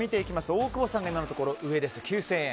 大久保さんが今のところ上で９０００円。